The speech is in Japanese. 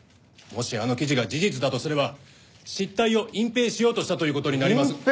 もしあの記事が事実だとすれば失態を隠蔽しようとしたという事になります。